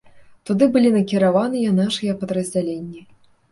Туды былі накіраваныя нашыя падраздзяленні.